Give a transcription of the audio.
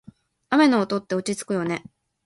雨の音って落ち着くよね。